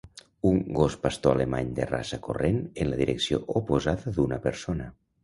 Un gos pastor alemany de raça corrent en la direcció oposada d"una persona.